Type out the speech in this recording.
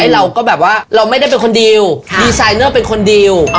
เราไม่ได้เป็นคนดีลดีไซเนอร์เป็นคนดีล